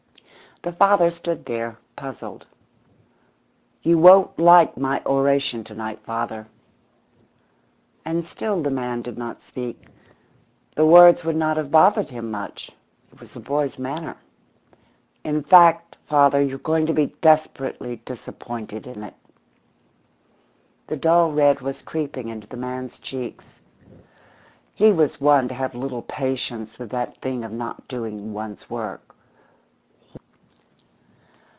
The father stood there, puzzled. "You won't like my oration to night, father." And still the man did not speak. The words would not have bothered him much it was the boy's manner. "In fact, father, you're going to be desperately disappointed in it." The dull red was creeping into the man's cheeks. He was one to have little patience with that thing of not doing one's work.